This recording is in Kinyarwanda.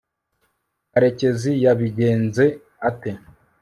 karekezi yabigenze ate